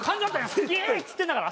「好き！」っつってんだから。